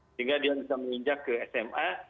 sehingga dia bisa menginjak ke sma